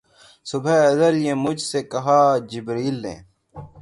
صبح ازل یہ مجھ سے کہا جبرئیل نے